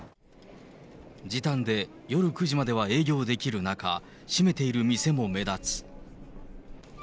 時短で夜９時までは営業できる中、閉めている店も目立つ。